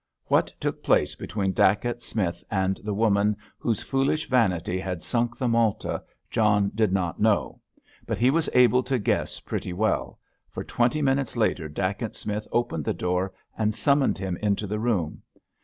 What took place between Dacent Smith and the woman whose foolish vanity had sunk the Malta John did not know, but he was able to guess pretty well, for twenty minutes later Dacent Smith opened the door and summoned him into the room.